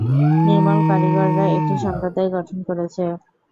নির্মল কারিগররা একটি সম্প্রদায় গঠন করেছে।